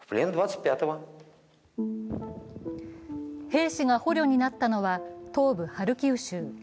兵士が捕虜になったのは東部ハルキウ州。